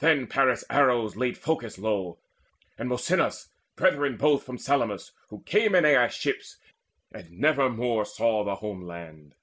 Then Paris' arrows laid proud Phorcys low, And Mosynus, brethren both, from Salamis Who came in Aias' ships, and nevermore Saw the home land.